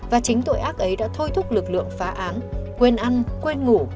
và chính tội ác ấy đã thôi thúc lực lượng phá án quên ăn quên ngủ